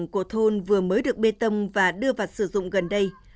tuyên truyền của thôn vừa mới được bê tông và đưa vào sử dụng gần đây